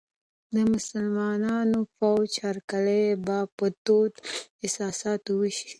د مسلمان فوج هرکلی به په تودو احساساتو وشي.